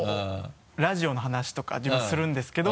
ラジオの話とか自分するんですけど。